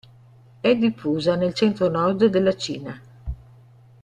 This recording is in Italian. È diffusa nel centro-nord della Cina.